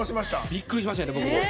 びっくりしました。